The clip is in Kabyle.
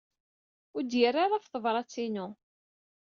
Ur d-yerri ara ɣef tebṛat-inu.